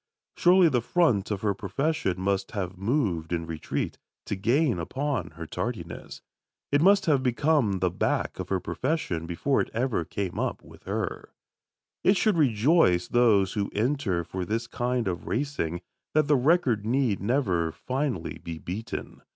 Surely the front of her profession must have moved in retreat, to gain upon her tardiness. It must have become the back of her profession before ever it came up with her. It should rejoice those who enter for this kind of racing that the record need never finally be beaten.